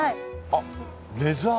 あっレザー。